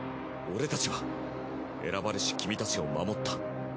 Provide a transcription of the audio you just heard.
俺たちは選ばれし君たちを守った。